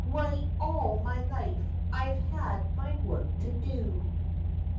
"W'y all my life I've had my work to do."